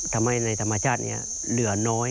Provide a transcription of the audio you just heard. ทำให้ในธรรมชาตินี้เหลือน้อย